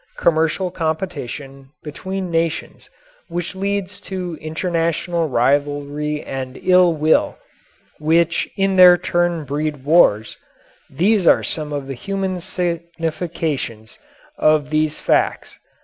Commercial competition between nations, which leads to international rivalry and ill will, which in their turn breed wars these are some of the human significations of these facts.